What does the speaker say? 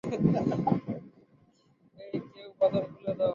হেই, কেউ বাধন খুলে দাও!